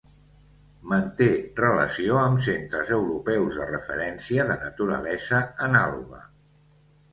Manté relació amb centres europeus de referència de naturalesa anàloga.